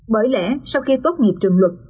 bởi lẽ sau khi tốt nghiệp trường luật